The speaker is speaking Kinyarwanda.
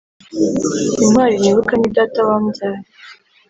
Intwali nibuka ni data wambyaye